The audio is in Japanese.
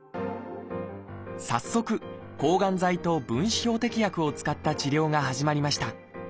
早速抗がん剤と分子標的薬を使った治療が始まりました。